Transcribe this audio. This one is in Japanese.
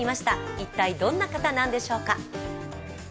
一体、どんな方なんでしょうか。